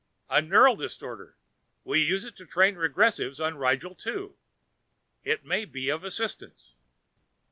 "A neural distorter. We use it to train regressives on Rigel Two. It might be of assistance."